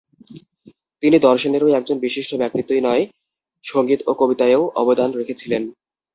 তিনি দর্শনেরই একজন বিশিষ্ট ব্যক্তিত্বই নয়, সঙ্গীত ও কবিতায়েও অবদান রেখেছিলেন।